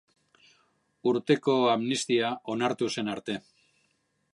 Urteko amnistia onartu zen arte.